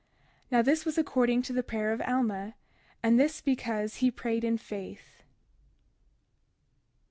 Now this was according to the prayer of Alma; and this because he prayed in faith.